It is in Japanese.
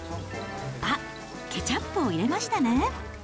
あっ、ケチャップを入れましたね。